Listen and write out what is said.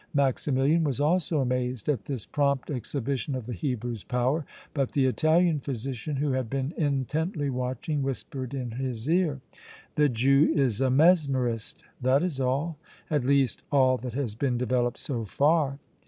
Maximilian was also amazed at this prompt exhibition of the Hebrew's power, but the Italian physician, who had been intently watching, whispered in his ear: "The Jew is a mesmerist; that is all; at least, all that has been developed so far!"